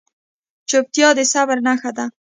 چپتیا، د صبر نښه ده.